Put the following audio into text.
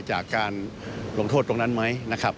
จากการลงโทษตรงนั้นไหมนะครับ